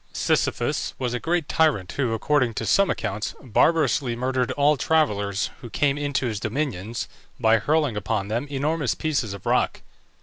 SISYPHUS was a great tyrant who, according to some accounts, barbarously murdered all travellers who came into his dominions, by hurling upon them enormous pieces of rock.